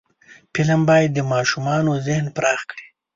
فلم باید د ماشومانو ذهن پراخ کړي